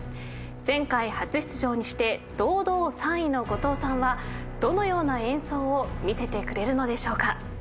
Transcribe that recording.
前回初出場にして堂々３位の後藤さんはどのような演奏を見せてくれるのでしょうか。